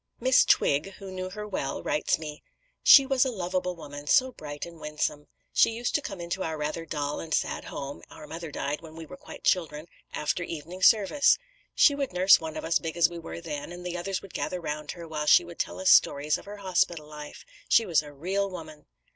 Miss Twigg, who knew her well, writes me: "She was a lovable woman, so bright and winsome. She used to come into our rather dull and sad home (our mother died when we were quite children) after evening service. She would nurse one of us, big as we were then, and the others would gather round her, while she would tell us stories of her hospital life.... She was a real woman."